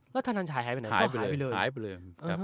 แล้วถนนชัยหายไปไหนหายไปเลย